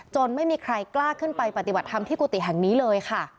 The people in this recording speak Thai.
ไม่มีใครกล้าขึ้นไปปฏิบัติธรรมที่กุฏิแห่งนี้เลยค่ะ